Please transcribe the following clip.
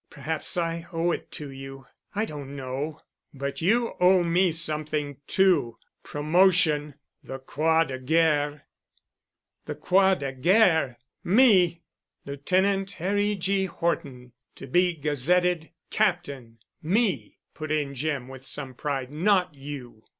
Perhaps I owe it to you. I don't know. But you owe me something too—promotion—the Croix de Guerre——" "The Croix de Guerre! Me——?" "Lieutenant Harry G. Horton to be gazetted captain—me!" put in Jim, with some pride. "Not you."